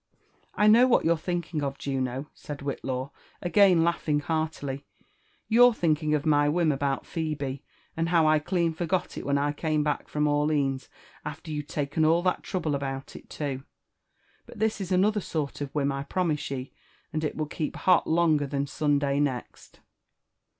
"I know what you're thinking of, Juno," said Whitlaw, again laughing heartily :" you're thinking of my whim about Phebe, and how I clean forgot it when I come back from Orlines, after you'd taken all that trouble about it too. But this is anolher sort of whim, I promise ye, and it will keep hot longer than Sunday next."